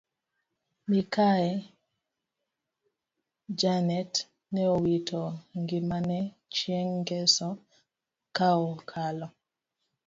Mikai janet neowito ngimane chieng ngeso kaokalo